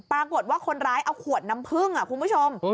ปรากฏว่าคนร้ายเอาขวดน้ำพึ่งคุณผู้ชม